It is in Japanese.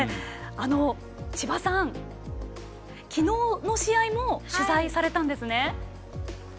千葉さん、昨日の試合も取材されたんですね。